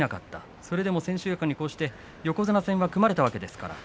それでも千秋楽に横綱戦が組まれたわけですからね。